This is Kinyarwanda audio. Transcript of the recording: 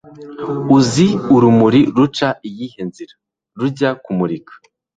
uzi urumuri ruca iyihe nzira, rujya kumurika